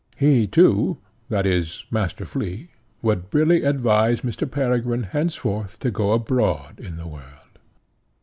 He too, that is, Master Flea, would really advise Mr. Peregrine henceforth to go abroad in the world.